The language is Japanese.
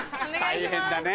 大変だね